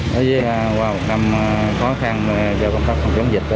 đối với qua một năm khó khăn cho công tác phòng chống dịch